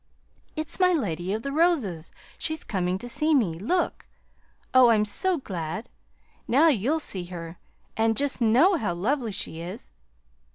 "It's my Lady of the Roses! She's coming to see me. Look! Oh, I'm so glad! Now you'll see her, and just KNOW how lovely she is.